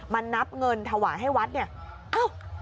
นับเงินถวายให้วัดเนี่ยอ้าว